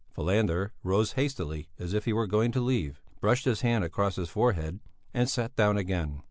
Falander rose hastily as if he were going to leave, brushed his hand across his forehead and sat down again.